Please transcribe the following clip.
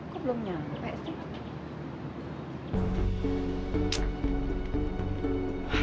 kok belum nyampe sih